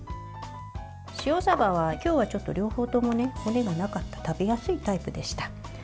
塩さばは今日は、ちょっと両方とも骨がなかった食べやすいタイプでした。